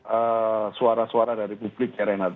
ee suara suara dari publik ya renard